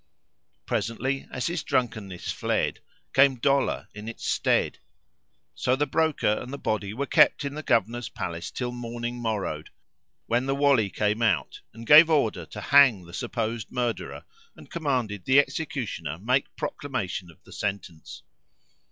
Presently, as his drunkenness fled, came dolour in its stead. So the Broker and the body were kept in the Governor's place till morning morrowed, when the Wali came out and gave order to hang the supposed murderer and commanded the executioner[FN#508] make proclamation of the sentence.